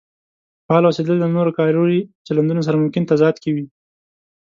فعال اوسېدل له نورو کاري چلندونو سره ممکن تضاد کې وي.